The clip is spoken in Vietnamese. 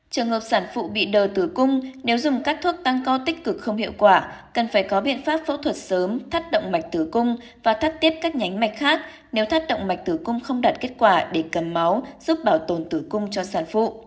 trường hợp sản phụ bị đờ tử cung nếu dùng các thuốc tăng co tích cực không hiệu quả cần phải có biện pháp phẫu thuật sớm thắt động mạch tử cung và thắt tiếp các nhánh mạch khác nếu thắt động mạch tử cung không đạt kết quả để cầm máu giúp bảo tồn tử cung cho sản phụ